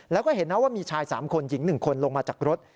แล้วก็เห็นนะว่ามีชาย๓คนหญิง๑คนลงมาจากรถ